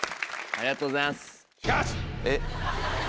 ありがとうございます。